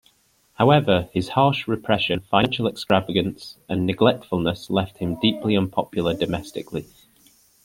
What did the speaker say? However, his harsh repression, financial extravagance and neglectfulness left him deeply unpopular domestically.